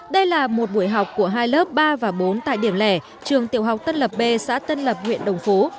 đây là một buổi học của hai lớp ba và bốn tại điểm lẻ trường tiểu học tân lập b xã tân lập huyện đồng phú